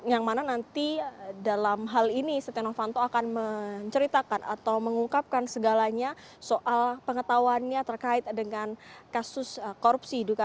yang mana nanti dalam hal ini setia novanto akan menceritakan atau mengungkapkan segalanya soal pengetahuannya terkait dengan kasus korupsi